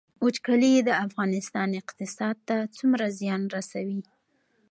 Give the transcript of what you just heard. وچکالي د افغانستان اقتصاد ته څومره زیان رسوي؟